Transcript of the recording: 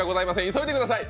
急いでください。